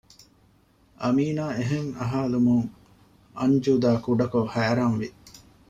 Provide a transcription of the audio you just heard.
އާމިނާ އެހެން އަހާލުމުން އަންޖޫދާ ކުޑަކޮށް ހައިރާންވި